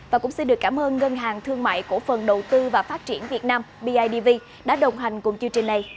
và cũng xin được cảm ơn ngân hàng thương mại cổ phần đầu tư và phát triển việt nam bidv đã đồng hành cùng chương trình này